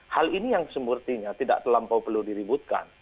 hal ini yang semurtinya tidak terlampau perlu diributkan